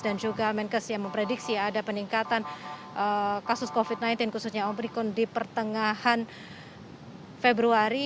dan juga menkes yang memprediksi ada peningkatan kasus covid sembilan belas khususnya omikron di pertengahan februari